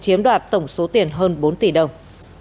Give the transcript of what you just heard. chiếm đoạt tổng số tiền hơn bốn tỷ đồng